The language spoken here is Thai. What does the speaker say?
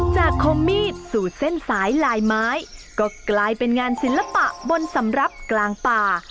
คมมีดสู่เส้นสายลายไม้ก็กลายเป็นงานศิลปะบนสำรับกลางป่า